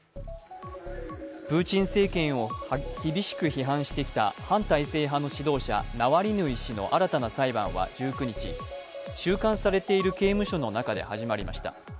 プーチン政権を厳しく批判してきた反体制派の指導者・ナワリヌイ氏の新たな裁判は１９日、収監されている刑務所の中で始まりました。